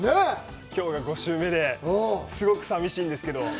きょうが５週目で、すごくさみしいんですけど。